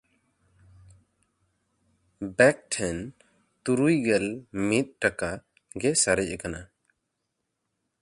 ᱵᱮᱠ ᱴᱷᱮᱱ ᱛᱩᱨᱩᱭᱜᱮᱞ ᱢᱤᱫ ᱴᱟᱠᱟ ᱜᱮ ᱥᱟᱨᱮᱡ ᱠᱟᱱᱟ᱾